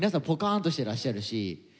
ポカーンとしてらっしゃるし。